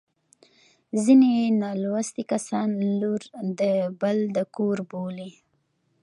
ځیني نالوستي کسان لور د بل د کور بولي